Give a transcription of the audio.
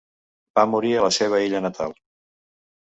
Va morir a la seva Illa natal.